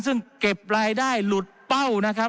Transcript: ซึ่งเก็บรายได้หลุดเป้า